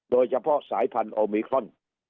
โดยเฉพาะสายพันธุ์โอมิครอน